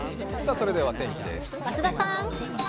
それでは天気です。